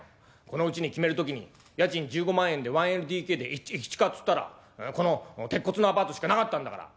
このうちに決める時に家賃１５万円で１ＬＤＫで駅近っつったらこの鉄骨のアパートしかなかったんだから。